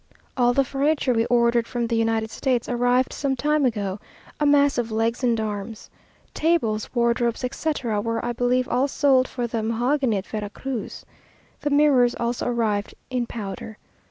All the furniture we ordered from the United States, arrived some time ago, a mass of legs and arms. Tables, wardrobes, etc., were, I believe, all sold for the mahogany at Vera Cruz. The mirrors also arrived in powder.